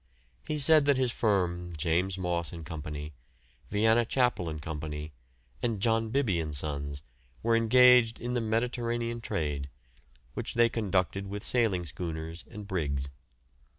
He said that his firm, James Moss and Co., Vianna Chapple and Co., and John Bibby and Sons, were engaged in the Mediterranean trade, which they conducted with sailing schooners and brigs.